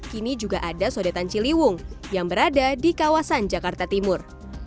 kini juga ada sodetan ciliwung yang berada di kawasan jakarta timur